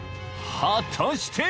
［果たして？］